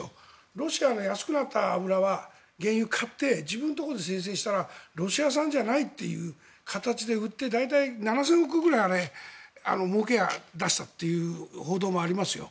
ロシアの安くなった油は原油を買って自分のところで精製したらロシア産じゃないという形で売って大体７０００億ぐらいもうけを出したという報道もありますよ。